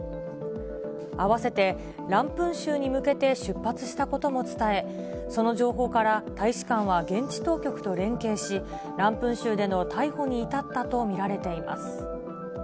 併せてランプン州に向けて出発したことも伝え、その情報から大使館は現地当局と連携し、ランプン州での逮捕に至ったと見られています。